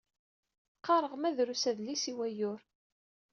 Qqareɣ ma drus adlis i wayyur.